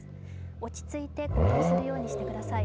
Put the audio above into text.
落ち着いて行動するようにしてください。